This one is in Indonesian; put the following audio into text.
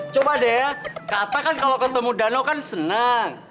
coba deh ya kata kan kalau ketemu danau kan senang